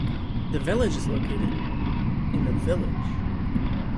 The village is located in the village.